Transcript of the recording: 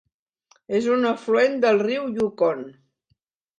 És un afluent del riu Yukon.